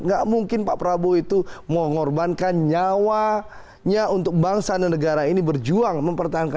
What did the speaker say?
gak mungkin pak prabowo itu mau mengorbankan nyawanya untuk bangsa dan negara ini berjuang mempertahankan